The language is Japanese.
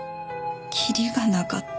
きりがなかった。